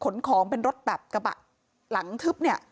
ขนของเป็นรถแบบกระบะหลังทึบเนี่ย